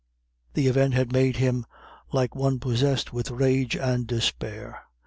The event had made him like one possessed with rage and despair.